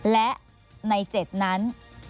และใน๗นั้น